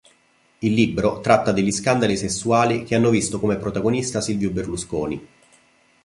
Il libro tratta degli scandali sessuali che hanno visto come protagonista Silvio Berlusconi.